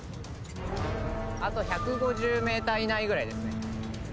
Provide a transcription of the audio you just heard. あと１５０ｍ以内ぐらいですね。